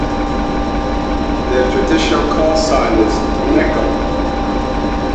Their traditional call sign is "Nikel".